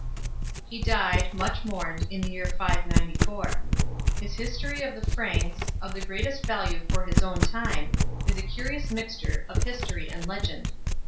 He died, much mourned, in the year 594. His History of the Franks, of the greatest value for his own time, is a curious mixture of history and legend.